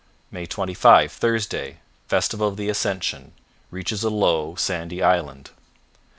" 25 Thursday Festival of the Ascension. Reaches a low, sandy island.